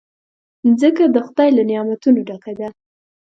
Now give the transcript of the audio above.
مځکه د خدای له نعمتونو ډکه ده.